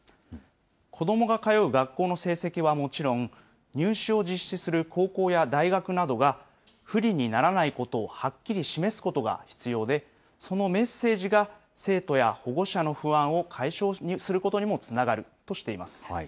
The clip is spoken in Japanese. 子どもが通う学校の成績はもちろん、入試を実施する高校や大学などが、不利にならないことをはっきり示すことが必要で、そのメッセージが、生徒や保護者の不安を解消することにもつながるとしています。